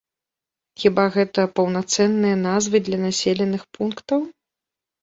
Хіба гэта паўнацэнныя назвы для населеных пунктаў?